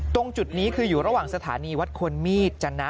ตรงจุดนี้คืออยู่ระหว่างสถานีวัดควรมีดจนะ